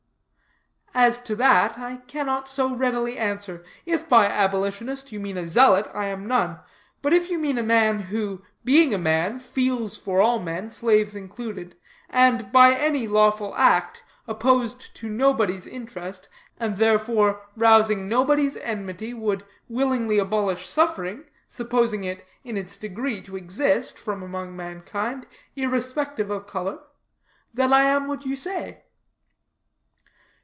"As to that, I cannot so readily answer. If by abolitionist you mean a zealot, I am none; but if you mean a man, who, being a man, feels for all men, slaves included, and by any lawful act, opposed to nobody's interest, and therefore, rousing nobody's enmity, would willingly abolish suffering (supposing it, in its degree, to exist) from among mankind, irrespective of color, then am I what you say."